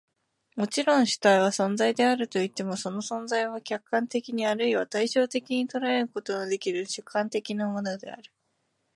もちろん、主体は存在であるといっても、その存在は客観的に或いは対象的に捉えることのできぬ主観的なものである。